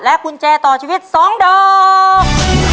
กุญแจต่อชีวิต๒ดอก